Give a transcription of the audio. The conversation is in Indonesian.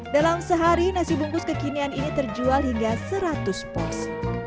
dalam sehari nasi bungkus kekinian ini terjual hingga seratus pos